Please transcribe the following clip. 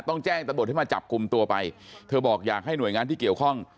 แจ้งตำรวจให้มาจับกลุ่มตัวไปเธอบอกอยากให้หน่วยงานที่เกี่ยวข้อง